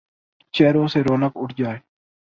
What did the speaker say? ، چہروں سے رونق اڑ جائے ،